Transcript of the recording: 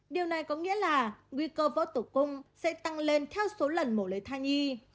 điều này có nghĩa là nguy cơ vỡ tử cung sẽ tăng lên theo số lần mổ lấy thai nhi